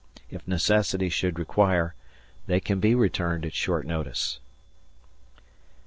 If necessity should require, they can be returned at short notice.